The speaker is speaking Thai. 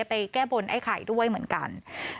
แก้บนไอ้ไข่ด้วยเหมือนกัน